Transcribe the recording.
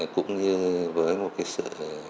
cũng như với một cái sự